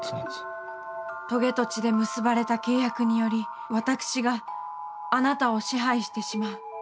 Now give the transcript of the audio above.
棘と血で結ばれた契約により私があなたを支配してしまう。